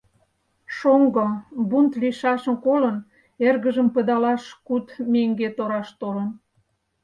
Шоҥго, бунт лийшашым колын, эргыжым пыдалаш куд меҥге тораш толын.